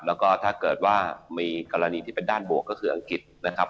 แล้วก็ถ้าเกิดว่ามีกรณีที่เป็นด้านบวกก็คืออังกฤษนะครับ